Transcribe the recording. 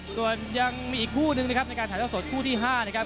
ส่วนยังมีอีกคู่นึงนะครับในการถ่ายเท่าสดคู่ที่๕นะครับ